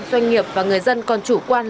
doanh nghiệp và người dân còn chủ quan